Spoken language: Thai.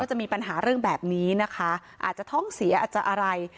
จะมีปัญหาเรื่องแบบนี้นะคะอาจจะท้องเสียอาจจะอะไร